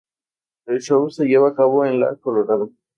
El show se llevó a cabo en ""La Colorada"".